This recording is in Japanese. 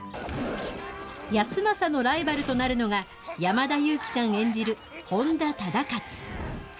康政のライバルとなるのが、山田裕貴さん演じる本多